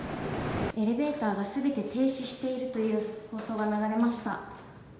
エレベーターがすべて停止しているという放送が流れました。